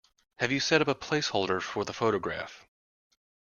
Have you set up a placeholder for the photograph?